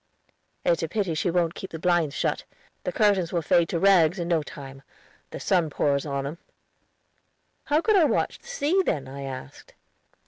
"It's a pity she wont keep the blinds shut. The curtains will fade to rags in no time; the sun pours on 'em." "How could I watch the sea then?" I asked.